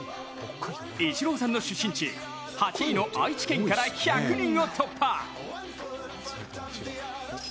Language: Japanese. イチローさんの出身地８位の愛知県から１００人を突破。